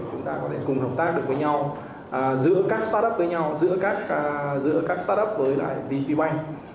chúng ta có thể cùng hợp tác được với nhau giữa các startup với nhau giữa các startup với lại tp bank